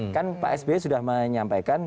kan pak sby sudah menyampaikan